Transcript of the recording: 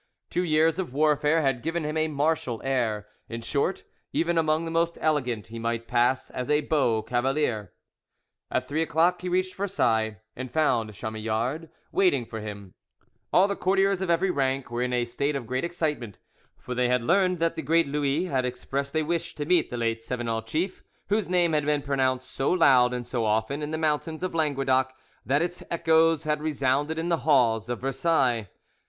Two years of warfare had given him a martial air; in short, even among the most elegant, he might pass as a beau cavalier. At three o'clock he reached Versailles, and found Chamillard waiting for him; all the courtiers of every rank were in a state of great excitement, for they had learned that the great Louis had expressed a wish to meet the late Cevenol chief, whose name had been pronounced so loud and so often in the mountains of Languedoc that its echoes had resounded in the halls of Versailles.